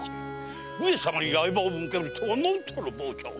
上様に刃を向けるとは何たる暴挙！